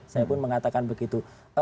saya pun mengatakan begitu